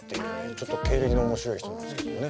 ちょっと経歴の面白い人なんですけどね。